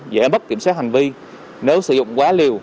dễ bất kiểm soát hành vi nếu sử dụng quá liều